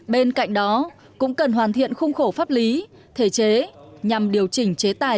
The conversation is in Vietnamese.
bên cạnh đó cũng cần hoàn thiện khung khổ pháp lý thể chế nhằm điều chỉnh chế tài